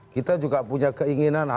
kita juga punya keinginan